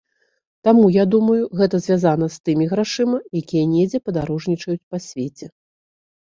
Таму, я думаю, гэта звязана з тымі грашыма, якія недзе падарожнічаюць па свеце.